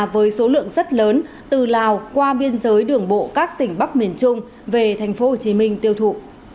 với số lượng rất lớn từ lào qua biên giới đường bộ các tỉnh bắc miền trung về tp hcm tiêu thụ